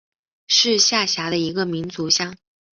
是下辖的一个民族乡。